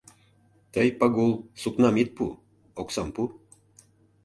— Тый, Пагул, сукнам ит пу, оксам пу.